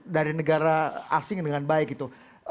dari negara asing dengan baik gitu